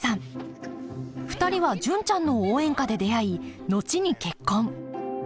２人は「純ちゃんの応援歌」で出会い後に結婚